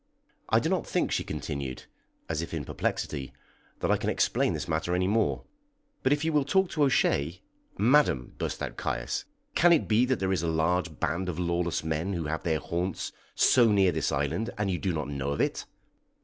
"I do not think," she continued, as if in perplexity, "that I can explain this matter any more; but if you will talk to O'Shea " "Madam," burst out Caius, "can it be that there is a large band of lawless men who have their haunts so near this island, and you do not know of it?